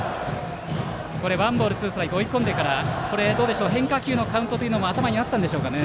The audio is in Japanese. ワンボールツーストライクと追い込んでからどうでしょう変化球のカウントも頭にあったんでしょうか。